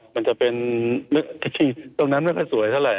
มั้นจะเป็นตรงนั้นนี่ไม่ได้สวยเท่าไหร่